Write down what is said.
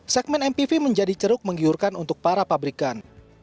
segmen mpv menjadi ceruk menggiurkan untuk para pabrikan